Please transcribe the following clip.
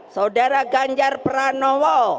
saudara ganjar pranowo